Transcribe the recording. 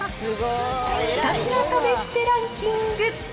ひたすら試してランキング。